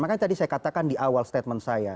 makanya tadi saya katakan di awal statement saya